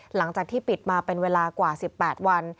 หลังจากที่ปิดมาเป็นเวลากว่า๑๘วัน